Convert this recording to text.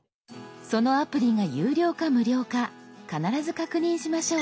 そのアプリが有料か無料か必ず確認しましょう。